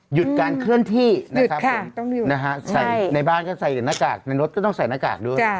หยุดการเคลื่อนที่นะครับผมนะฮะใส่ในบ้านก็ใส่แต่หน้ากากในรถก็ต้องใส่หน้ากากด้วย